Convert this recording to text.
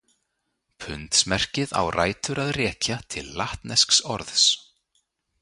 Pundsmerkið á rætur að rekja til latnesks orðs.